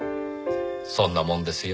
そんなもんですよ。